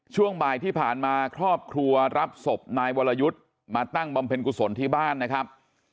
ช่วงบ่ายที่ผ่านมาครอบครัวรับศพนายวรยุทธ์มาตั้งบำเพ็ญกุศลที่บ้านนะครับ